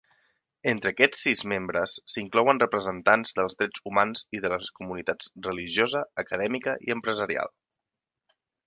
Entre aquests sis membres s'inclouen representants dels drets humans i de les comunitats religiosa, acadèmica i empresarial.